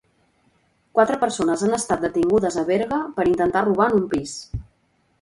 Quatre persones han estat detingudes a Berga per intentar robar en un pis.